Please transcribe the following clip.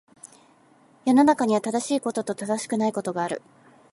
世の中には、正しいことと正しくないことがある。